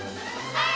はい！